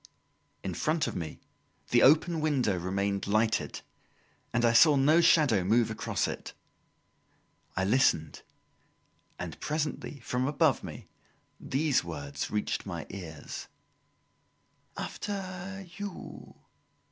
In front of me, the open window remained lighted, and I saw no shadow move across it. I listened, and presently from above me these words reached my ears: "After you!"